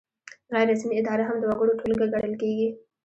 غیر رسمي اداره هم د وګړو ټولګه ګڼل کیږي.